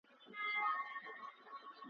یو مرغه وو په ځنګله کي اوسېدلی `